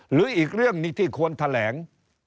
หรืออีกเรื่องหนึ่งที่ควรแถลง